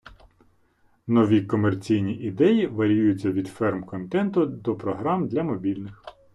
Нові комерційні ідеї варіюються від "ферм контенту" до програм для мобільних.